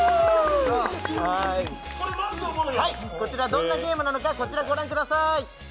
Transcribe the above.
こちらどんなゲームなのかこちらご覧ください。